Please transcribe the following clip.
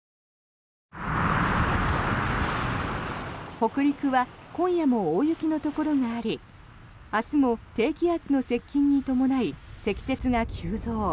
北陸は今夜も大雪のところがあり明日も低気圧の接近に伴い積雪が急増。